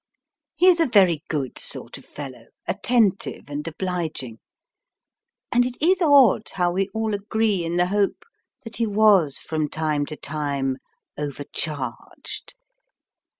He is a very good sort of a fellow, attentive and obliging, and it is odd how we all agree in the hope that he was from time to time over charged.